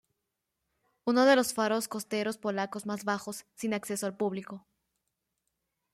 Uno de los faros costeros polacos más bajos, sin acceso al público.